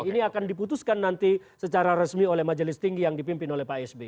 ini akan diputuskan nanti secara resmi oleh majelis tinggi yang dipimpin oleh pak sby